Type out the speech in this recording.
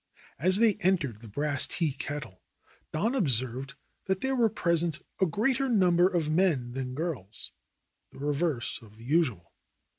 As they entered the Brass Tea Kettle Don observed that there were present a greater number of men than girls, the reverse of the usual.